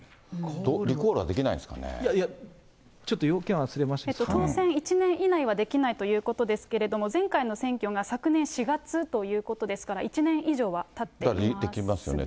リコールはできないんですいやいや、当選１年以内はできないということですけれども、前回の選挙が昨年４月ということですから、だからできますよね。